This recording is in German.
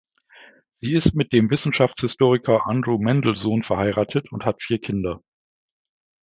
Sie ist mit dem Wissenschaftshistoriker Andrew Mendelsohn verheiratet und hat vier Kinder.